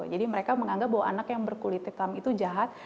jadi mereka menganggap bahwa anak yang berkulit hitam itu jahat